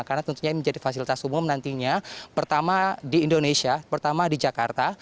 karena tentunya ini menjadi fasilitas umum nantinya pertama di indonesia pertama di jakarta